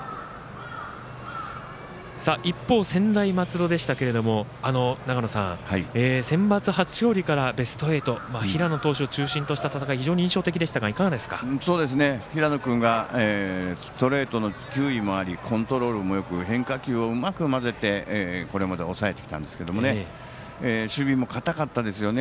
一方、専大松戸でしたけれどもセンバツ初勝利からベスト８。平野投手を中心にした戦い非常に印象的でしたが平野君がストレートの球威もありコントロールもよく変化球をうまく混ぜてこれまで抑えてきたんですけど守備も堅かったですよね。